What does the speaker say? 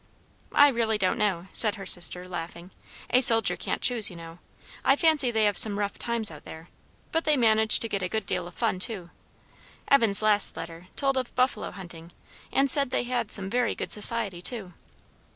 "I really don't know," said her sister, laughing; "a soldier can't choose, you know; I fancy they have some rough times out there; but they manage to get a good deal of fun too. Evan's last letter told of buffalo hunting, and said they had some very good society too.